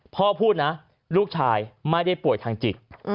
พูดนะลูกชายไม่ได้ป่วยทางจิต